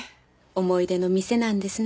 思い出の店なんですね。